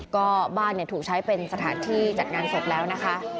ก็บ้านถูกใช้เป็นสถานที่จัดงานศพแล้วนะคะ